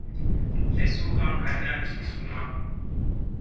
Sle suu aŋ hadazina ni sun maŋga.